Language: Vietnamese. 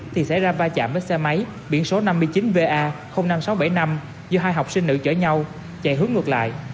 thì xảy ra va chạm với xe máy biển số năm mươi chín va năm nghìn sáu trăm bảy mươi năm giữa hai học sinh nữ chở nhau chạy hướng ngược lại